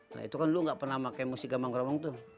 nah itu kan lo gak pernah pake musik gambang kromong tuh